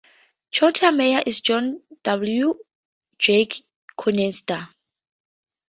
Choteau's mayor is John W. "Jack" Conatser.